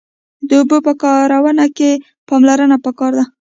د اوبو په کارونه کښی پاملرنه پکار ده